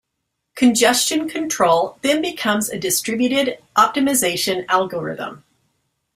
Congestion control then becomes a distributed optimisation algorithm.